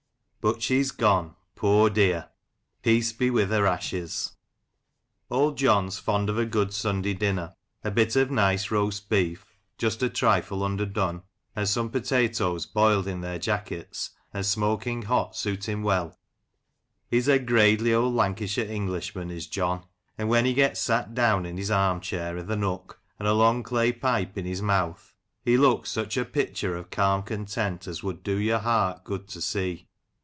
But she's gone, poor dear ! Peace be with her ashes ! Old John's fond of a good Sunday dinner. A bit of nice roast beef, just a trifle underdone, and some potatoes boiled in their jackets, and smoking hot, suit him well. He's a gradely old Lancashire Englishman, is John; and when he gets sat down in his arm chair i'th' nook, and a long clay pipe in his mouth, he looks such a picture of calm content as would do your heart good to see.